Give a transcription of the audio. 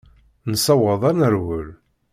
Nessaweḍ ad nerwel.